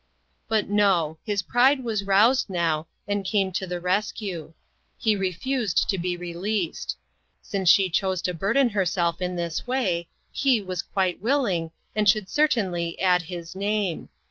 But no, his pride was roused now, and came to the rescue. He refused to be re leased. Since she chose to burden herself in this way, he was quite willing, and should certainly add his name.